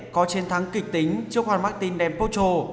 có chiến thắng kịch tính trước hoàng martin dempocho